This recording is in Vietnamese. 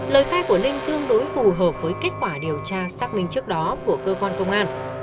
lời khai của linh tương đối phù hợp với kết quả điều tra xác minh trước đó của cơ quan công an